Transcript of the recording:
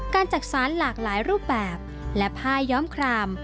จักษานหลากหลายรูปแบบและผ้าย้อมคราม